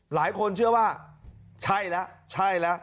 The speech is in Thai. หลายคนเชื่อว่าใช่แล้ว